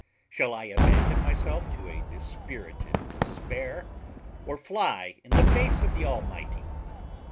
Shall I abandon myself to a dispirited despair, or fly in the face of the Almighty?